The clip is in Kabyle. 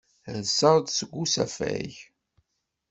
Rseɣ-d seg usafag.